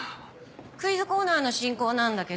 クイズコーナーの進行なんだけど。